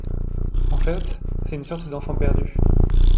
En fait, c’est une sorte d’enfant perdu.